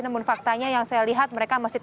namun faktanya yang saya lihat mereka masih